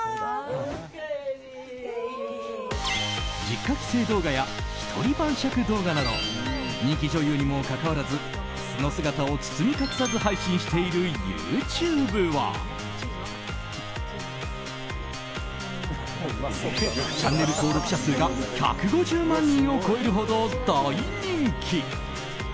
実家帰省動画や１人晩酌動画など人気女優にもかかわらず素の姿を包み隠さず配信しているＹｏｕＴｕｂｅはチャンネル登録者数が１５０万人を超えるほど大人気！